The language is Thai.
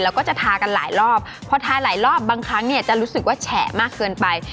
แล้วก็จะทากันหลายรอบพอทาหลายรอบบางครั้งเนี่ยจะรู้สึกว่าแฉะมากเกินไป